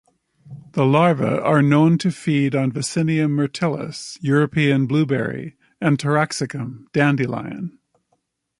The larvae are known to feed on "Vaccinium myrtillus" (European blueberry) and "Taraxacum" (dandelion).